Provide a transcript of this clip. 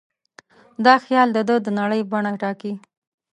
دا خیال د ده د نړۍ بڼه ټاکي.